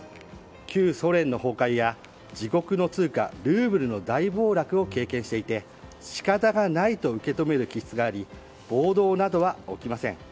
旧ソ連の崩壊や、自国の通貨ルーブルの大暴落を経験していて仕方がないと受け止める気質があり暴動などは起きません。